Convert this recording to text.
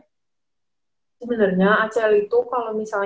sebenernya acl itu kalau misalnya